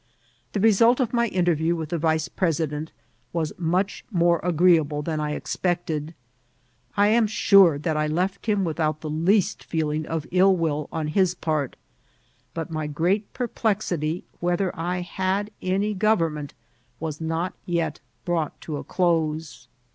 The result of my interview widi the vice president was mtrch mate agreeable than I expected. I am sure that I left hkn without the least feeling of iUUwill on his part ; bat mf TI8IT TO ▲ TOLCANO. 835 great perplexity whether I had any goyemment was not yet brought to a close.